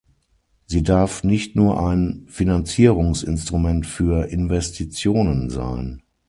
Sie darf nicht nur ein Finanzierungsinstrument für Investitionen sein.